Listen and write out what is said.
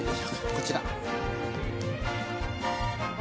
こちら。